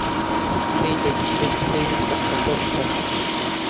پێی دەگوترێت سەیری سەقفەکە بکە